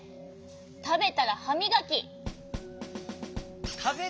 たべたらはみがき。